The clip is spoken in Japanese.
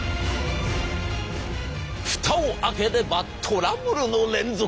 蓋を開ければトラブルの連続。